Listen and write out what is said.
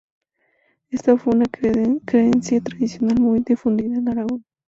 Esta fue una creencia tradicional muy difundida en Aragón.